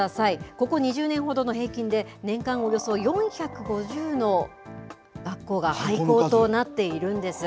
ここ２０年ほどの平均で、年間およそ４５０の学校が廃校となっているんです。